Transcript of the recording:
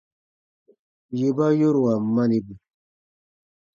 Yè ba yoruan manibu.